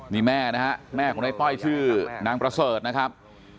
นี่แม่นะฮะแม่ของในต้อยชื่อนางประเสริฐนะครับ